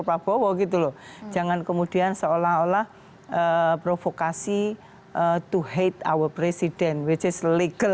prabowo gitu loh jangan kemudian seolah olah provokasi to hate our president which is legal